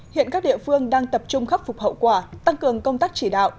hiện các địa phương đang tập trung khắc phục hậu quả tăng cường công tác chỉ đạo